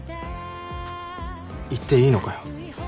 行っていいのかよ。